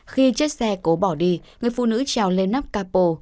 khi chiếc xe cố bỏ đi người phụ nữ trèo lên nắp capo